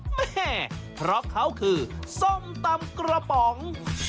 แม่เพราะเขาคือส้มตำกระป๋อง